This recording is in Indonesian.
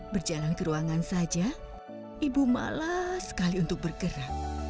berjalan ke ruangan saja ibu malah sekali untuk bergerak